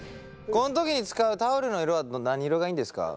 この時に使うタオルの色は何色がいいんですか？